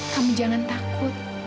kamu jangan takut